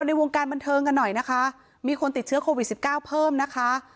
ในวงการบันเทิงกันหน่อยนะคะมีคนติดเชื้อโควิดสิบเก้าเพิ่มนะคะ